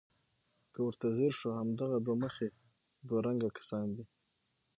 که ورته ځیر شو همدغه دوه مخي دوه رنګه کسان دي.